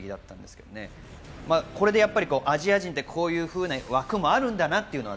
これでアジア人ってこういう枠もあるんだなというのが